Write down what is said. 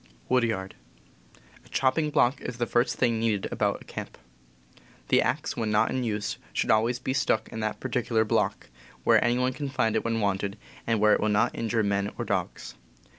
A chopping block is the first thing needed about a camp. The axe, when not in use, should always be W H Y d stuck in that particular block, where any one can find it when wanted, and where it will not injure men or dogs.